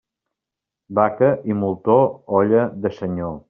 Vaca i moltó, olla de senyor.